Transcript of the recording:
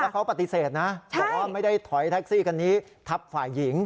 เขาปฏิเสธนะบอกว่าไม่ได้ถอยแท็กซี่คันนี้ทับฝ่ายหญิง